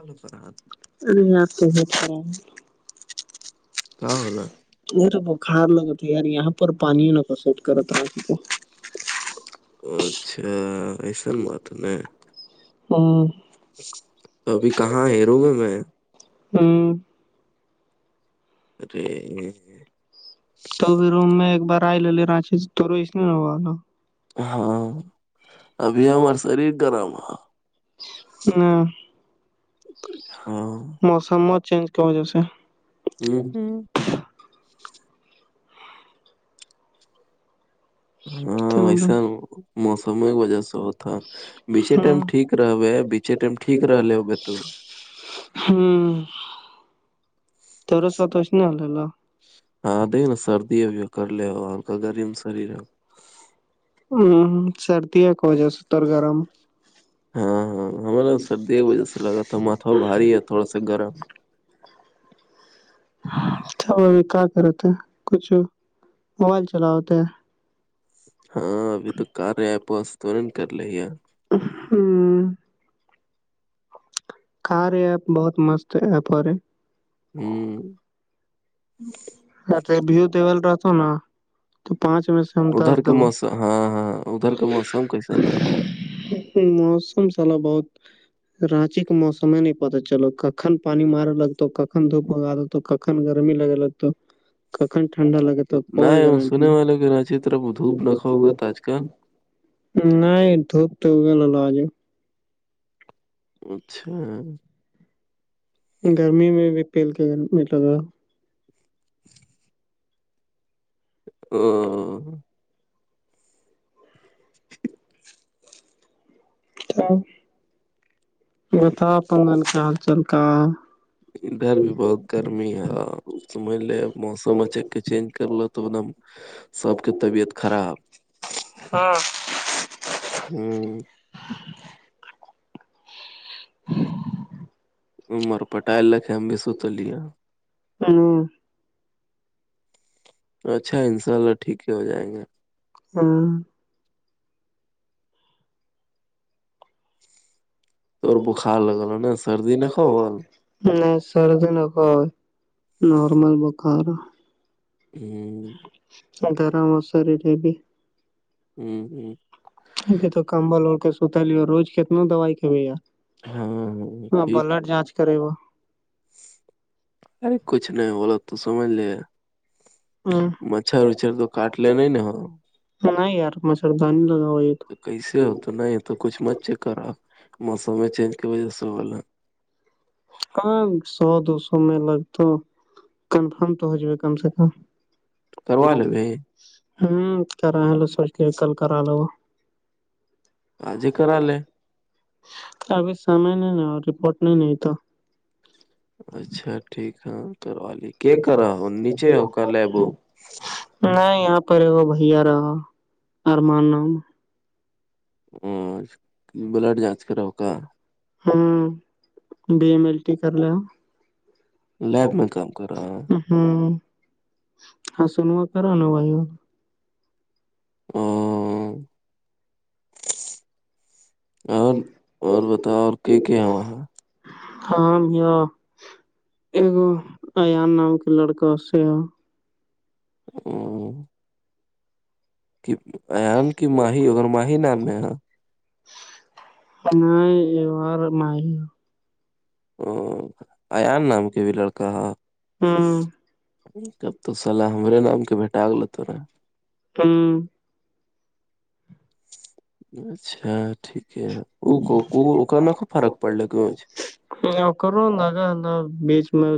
hello Farhat ار آپ تو بہتا ہے کہاں حال وہ تو بخار لگے تھے یار یہاں پر پانی نہ پسٹ کرتا تھا کو اچھا ایسن بات ن ہاں تو ابھی کہاں ہےیرو میں میں ہوں ا تو بھی روم میں ایک بار آئی لے رانچی توو اس ہواا ہاں ابھی ہمار شریر گرم ہے ہاں ہاں موسم م چینج کر جس ہ ہوں ہاں ویسا موسم کی وجہ سے ہو تھا بیچے ٹائم ٹھیک رہبے بیچے ٹائم ٹھیک رہے ہوب تو ہاں تو سواتوش نہیں آل ل ہاں دیک نا سردی ا بھی ہو کر لے ہو اور کا گرم شریر ہے ہوں سردیا کا وجہ ست اور گرم ہاں ہاں ہمارا سردی کی وجہ سے لگا تھا متا بھاری ہے تھوڑا سا گرم چل ابھی کیا کرتے ہیں کچھ موبائل چلا ہوتے ہیں ہاں ابھی تو کر رہے ہے پاس تو نہیں ن کر ل یار ہوں کار یہ ایپ بہت مست ایپ اور رہے ہوں ااں تو ویو دی وول رہتا نا ادھر کا موسم ہاں ہاں ادھر کا موسم کیسے نا موسم سالا بہت رانچی کا موسم یں نہیں پتا چلو کن پانی مارے لگتا کن دھپ لگا دی ک گ گرمی لگے ل تو کخن ٹنڈا لگے تو کوئی نہیں گارٹی سنے نہیں والے کراچی طرف دھوپ رکھا ہوا تھا آج کل نہیں دھوپ تو گل ل آج اچھا گرمی میں بھی پیل کے گمی لگا [unintelligible] ہ م تھا پنگل کا حال چال کا ادھر بھی بہت گرمی ہے سمج لے موسم اچک کے چینج کر لو توب نم سب کے طبیعت خراب ہاں ہوں [unintelligible] امر پٹال لکھے ہم بھی سوچلے اچھا ان شاء اللہ ٹھیک ہی ہو جائیں گے ہاں تو بخار لگل ہو نا سردی ن کو سرد نہکا نارمل بکار [unintelligible] گرم وسر لیے بھی ہوں ہ ا تو کمبا لوڑ کے ستا لی اور رو ک ن دوائی ک یار ہاں ہ ہاں، ٹھیک بلڈ جانچ کرے گا ارے کچھ نہیں بولو تو سمجھ لے ہ مچھھر وچھر تو کاٹ لےین نا ہ نہیں [unintelligible] کیسے ہو تو نہیں تو کچھ مت چ کرا موسم میں چینج کی وجہ سے ہوا ہ سو دو سو میں لگتا کنفرم تو ہو ج کم سے کم کروا لے بھائی ہوں کرے لو سوچ کے کل کرا لو وہ آج ہی کرا لے ابھی سمے نہیں نہیں ہو رپورٹ نہیں نہیں تھا اچھا ٹھیک ہے کروا لی کیا کر رہا ہو نیچے ہو کا لب ہو نہیں یہاں پر ایک بھیا رہا ارمان نام بلڈ جانچ کراؤ کا ہاں بی ایم ایل ٹی کر لو لیب میں کام کرا ہمم ہاں سنوا کرا بھائی ہاں اور اور بتاؤ اور کیا کیا ہے وہاں ہاں بھیا وہاں ایان نام کے لڑکا سے [unintelligible] ایان کی ماہی اگر ماہی نان میں ہاں نائ یہار ماہی او ایان نام کے بھی لڑکا ہوں تو صلاح ہمارے نام کے بٹا گ ل ت رہا [unintelligible] اچھا ٹھیک ہےک میں خوب فرق پڑلے گ کرو لگ بیچ میں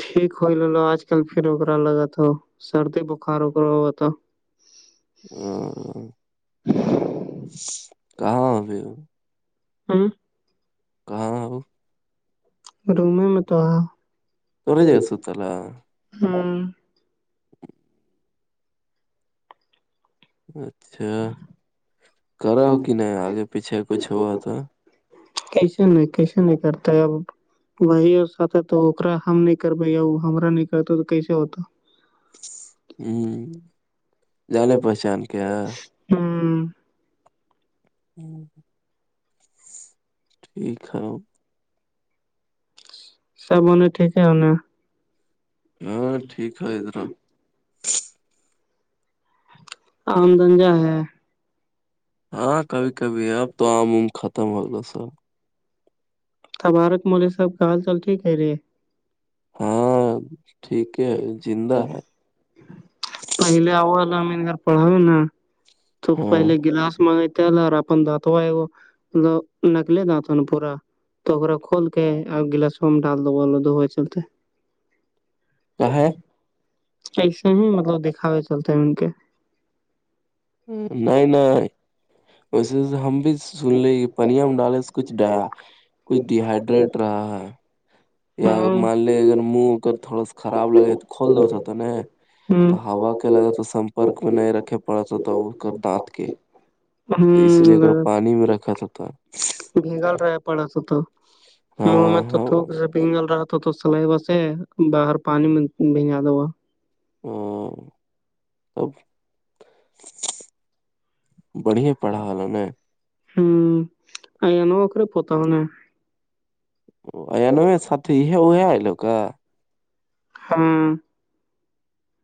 ٹھیک ہو لو آجل کل پھر ہوکرا لگا تھا سردی بخار ہوکرا ہوا تھا ہاں کہاں ہو ابھی ہو کہاں روم میں تو ہوں اچھا کرا ہو کہ نہیں آگے پیچھے کچھ ہوا تھا کسیے نہیں کسے نہیں کرتا اب وہی اور سات تو ہم نہیں کربے یا وہ ہمرا نہیں کرتا تو کیسے ہوتا ہوں جانے پہچان کیا ہے ہمم ہوں ٹھیک ہے سبو نے ٹھیک ہی ہونا ہے ہاں ٹھیک ہے ادھر آم دھنجہ ہے ہاں کبھی کبھی ہے اب تو آم وم ختم ہوگا سر اب عارت مولوی صاحب کا حال چال ٹھیک ہے رہے ہے ہاں ٹھیک ہے زندہ ہے این گھر پڑا نا تو ہاں پہلے گلاس مگ در اپن داتو ہے وہ مط نکلی داتان پورا تو اا کھول کے گلاسو میں ڈال دو د چلتے کہا ہے ایسے ہی مطلب دکھاوے چلتے ہیں ان کے نہیں نہیں ویسے ہم بھی سن لی کہ پنیا میں ڈالے سے کچھ ڈایا کچھ ڈییہائیڈریٹ رہا ہے یا مان لے اگر منہ ا تھوڑا سا خراب لگے تو کھول دو تو ہوا کیا لگا تو سمپرک میں نہیں رکھے پڑا تھا اس دانت کے اس لیے کرو پانی میں رکھا تھا تھا پگل رہ پڑا تھا تو منہ میں ہاں تو ہاں تھوک سے پگل رہا تو تو سلیوا باہر پانی میں بھیجا دوا تو سب بڑیا ہوں ا ن آخر پتا ہو ن ایانو میں سات ہے وہ ہے ا لوگ کا ہوں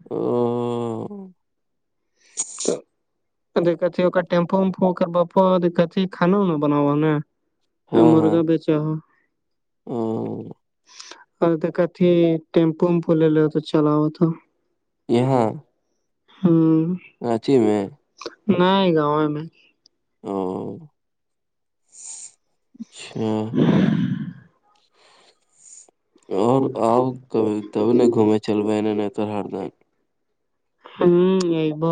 [unintelligible] تو د کہ ا ٹیمپو ومپو بپ کانا وانا بناوا نا مرغا بیچا ہو ادکت تھی ٹیمپوم پھولے لے تو چلاوا تو یہاں رانچی میں [unintelligible] نہیں گاوں میں او اچھا [unintelligible] [unintelligible] اور آؤ کبھی تب ن گھوم چلو تو ہر دن ہمم اب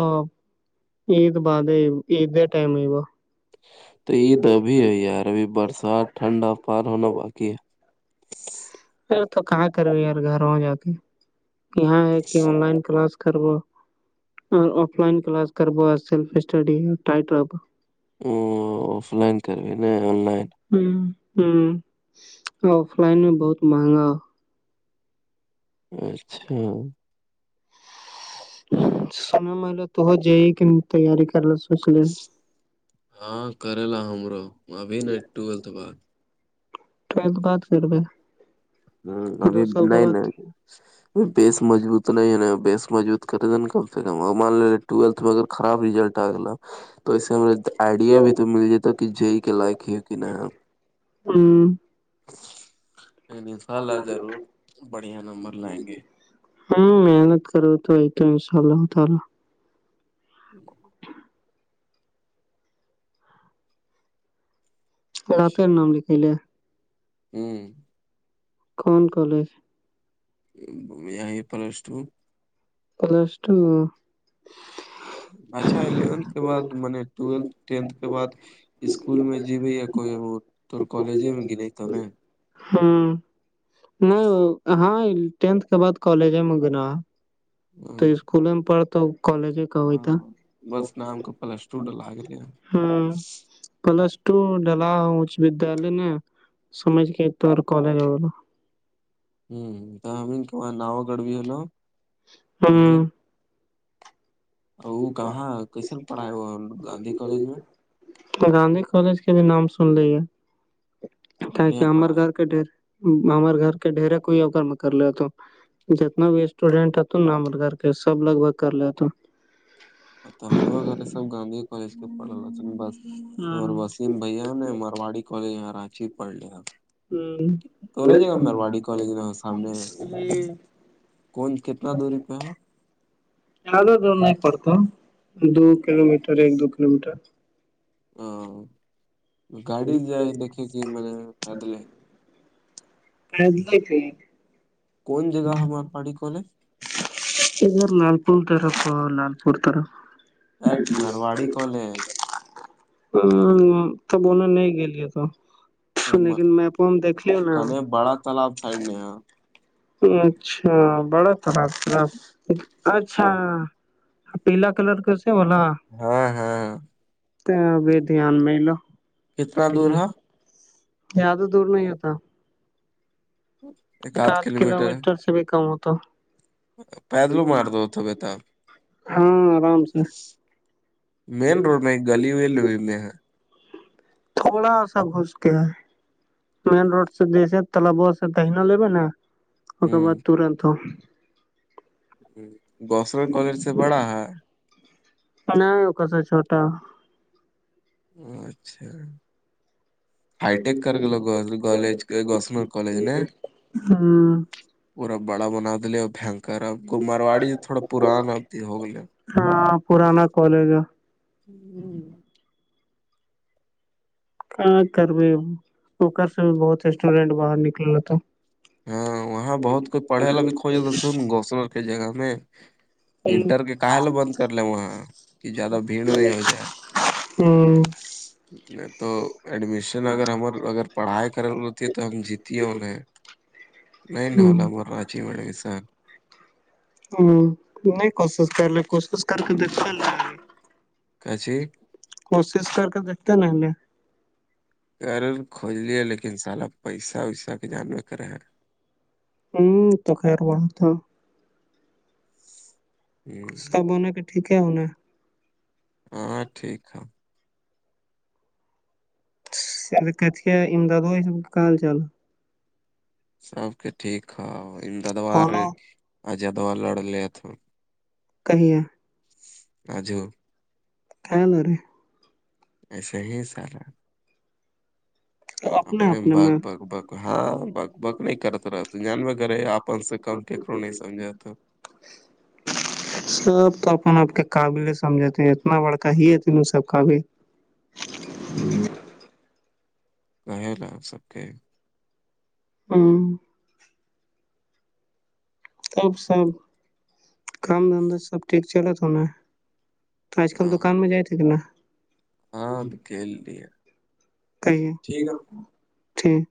عید بعد ہے عید ٹائم ہوا تو عید ابھی ہے یار ابھی برسات ٹھنڈا پار ہونا باقی ہے پ تو کہاں کرو یار گھروں جا کے یہاں ہے کہ آن لائن کلاس کرو اور آف لائن کلاس کر سف اسٹڈی ٹائ رہ ا آف لائن کرو ن آن لائن ہ ہ آف لائن میں بہت مہنگا اچھا سنا ملا تو ج کہ تیاری کر ل سوچ لی ہاں کر ل ہمرو ابھی نا ٹویلتھ بع ٹویل بات کر رہ ہ ابھی نہیں نہیں [unintelligible] بیس مضبوط نہیں ہے نا بیس مضبوط کر د نا کم سے کم اور مان لے ٹویلتھ میں اگر خراب ریزلٹ آگلا تو اسسے ہم آئیڈیا بھی تو مل جتا کہ جی کے لائق ہے ن ہے ہوں [unintelligible] ا نیں [unintelligible] ہوں محنت کرو تو ایک [unintelligible] تاء اللہ تعالا [unintelligible] [inaudible] راتر نام لکھیلے ہوں [unintelligible] کون کالج [unintelligible] یہ پرلسو پلسٹ [unintelligible] اچھا الیونتھ کے بعد م ٹولتھ ٹینتھ کے بع اسکول میں جیبی یا کوئی وہ ت کالجے میں گنی تو ن ہ نہیں ہاں ٹینتھ کے بعد کالج میں گنا تو اسکولے میں پڑھتاوں ہاں بس نام کو پلسٹوڈ لگ ا ڈلا اچ بد الینا سمج کے ہوں ات کالج ہوں تو ہمین کمار نؤ گڑوی ہےلو ہوں اور وہ کہاں کیسے پڑھا ہو گاندھی کالج میں گاندھی کالج کے بھی نام سن لی ہے تاکہ بڑھیا ہمار پڑھائے گھر کے ڈر ہمار گھر کے ڈھیر کوئی اوغ نہ کر لے تو جتنا بھی اسٹوڈینٹ ہے تو نمل کر کے سب لگ بھگ کر لیتا ا توا ہمرو گھر سب گاندھی کالج کے پڑھلن بس ہاں اور وسیم بھیا نے مرواڑی کالج کراچی پڑھ ل ہوں تو رہ جے گا مرواڑی کالج میں سامنے ہے ہوں کون کتنا دوری پہ ہے چال تو نہیں پڑتا دو کلو میٹر ایک دو کلو میٹر ہ گاڑی جائے دیکے کہ م پدے فضل تھ [unintelligible] کون جگہ ہے ہمار پاڑی کلے ادھر لال پور طرف لال پور طرف مارواڑی آ کالج [unintelligible] ہ تب انیں نہیں گ لیے تو ارے لیکن میپ دلی نا کنے بڑا تالاب سائڈ نے آاں اچھا بڑا خرااب خرا اچھا پیلا کلر کیسے والا ہاں ہاں ابھی دھیان میں ہی لو کتنا دور ہے زیادہ دور نہیں ہوتا [unintelligible] ہوں [inaudible] ایک آدھ کلو میٹر سے بھی کم ہوتا پیدلو مار دو تو بیتا ہاں آرام سے مین روڈ میں ایک گلی ویلی میں ہے تھوڑا سا گھس کیا ہے مین روڈ سے جیسے تب سے دہنا لے نا ا کے بع ہ تورت گوسر کالج سے بڑا ہے ا کاسا چھوٹا اچھا ہائیٹیک کر گلو گ کالج گسم کالج نے پورا بڑا بنا دے اور بنکر اب کو مارواڑی تھوڑا پوران اب ہوگے ہاں پرانا کالج ہے ہوں ہاں کرو پوکر سے بھی بہت ریسٹورینٹ باہر نکل رہا تھا ہاں وہاں بہت کوئی پڑھے ل بھی کھوتا تھا گوسل کی جگہ میں انٹر کے کائل بند کر لیں وہاں کہ زیادہ بھیڑ نہیں ہو جائے ہوں تو ایڈمیشن اگر ہم اگر پڑھائی کر ہوتی ہے تو ہم جیتیے انہیں نہیںائ نہیں واللا م راچی مڑے بھیسن ہ نہیں کوشش کر ل کوشش کر کے دھ کیسی کوشش کر کے دیکھتے نہیںے گھر کھول ل ہے لیکن ان شاء الا پیسہ ویسہ کے جانورے کرے ہیں ہوں تو خیروول تھا ہ سب ہاں ٹھیک ہے کچ امداد سب کہال چال سب کے ٹھیک ہے ادادار عجدوار لڑ لیے تھ کہ ہے آجو ک آل رے ایسا ہی سارا اپنے بگ بگ بگ ہاں بگ بگ نہیں کرتا رہتا جان وغیرہ اپ س کم کیکوں نہیں سمجھات تھا سب تو اپنے آپ کے قابل سمجھاتتے ہیں اتنا بڑکا ہی ا ت سب قابل ہ کہ ل سب کے ہوں اب سب کام دھندا سب ٹھیک چل تو ہونا تو آج کل ہاں دکان میں جائے تھے کہ نا ہاں تو کل رہ ہے کہیے ٹھیک ہے ٹھیک